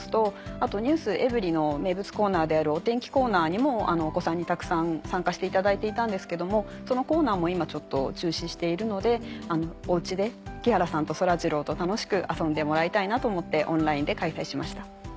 あと『ｎｅｗｓｅｖｅｒｙ．』の名物コーナーであるお天気コーナーにもお子さんにたくさん参加していただいていたんですけどもそのコーナーも今ちょっと中止しているのでお家で木原さんとそらジローと楽しく遊んでもらいたいなと思ってオンラインで開催しました。